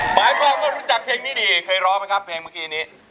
หมายความว่ารู้จักเพลงนี้ดีเคยร้องไหมครับเพลงเมื่อกี้นี้